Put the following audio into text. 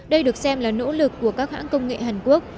đây được xem là nỗ lực của các hãng công nghệ hàn quốc